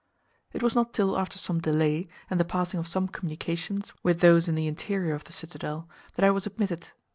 It was not till after some delay, and the passing of some communications with those in the interior of the citadel, that I was admitted.